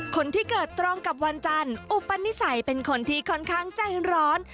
คนที่เกิดตรงกับวันจันทร์อุปนิสัยเป็นคนที่ค่อนข้างใจร้อน